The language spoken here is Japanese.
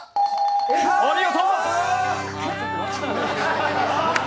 お見事！